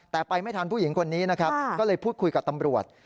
แต่ไปไม่ทันผู้หญิงคนนี้นะครับก็เลยพูดคุยกับตำรวจ